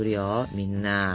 みんな。